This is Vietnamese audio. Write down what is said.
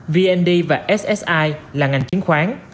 vnd và ssi là ngành chiến khoán